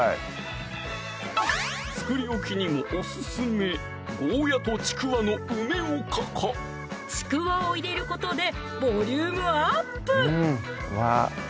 作り置きにもオススメちくわを入れることでボリュームアップ！